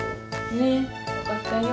ねっわかったよ。